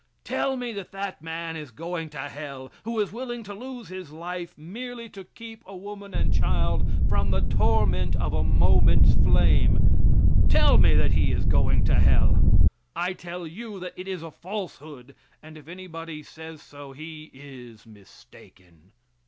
Tell me that that man is going to hell, who is willing to lose his life merely to keep a woman and child from the torment of a moment's flame tell me that he is going to hell; I tell you that it is a falsehood, and if anybody says so he is mistaken.